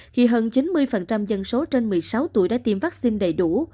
khi hơn chín mươi dân số trên một mươi sáu tuổi đã tiêm vaccine đầy đủ